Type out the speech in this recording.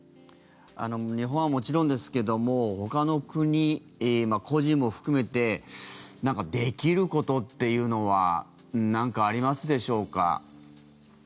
日本はもちろんですけどもほかの国、個人も含めてできることっていうのは何かありますでしょうか？